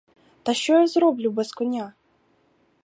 Та що я зроблю без коня?